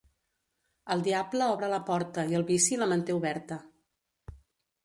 El diable obre la porta i el vici la manté oberta.